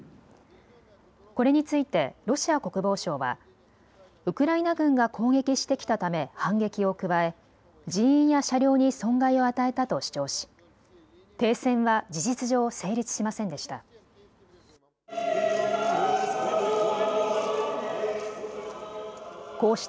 これについてロシア国防省は、ウクライナ軍が攻撃してきたため反撃を加え人員や車両に損害を与えたと主張し停戦は事実上成立しませんでした。